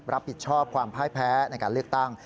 รับผิดชอบความพ่ายแพ้ในการเลือกตั้ง